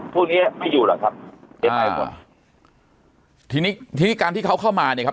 พวกเนี้ยไม่อยู่หรอกครับยังไงกว่าทีนี้ทีนี้การที่เขาเข้ามาเนี่ยครับ